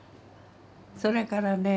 それからね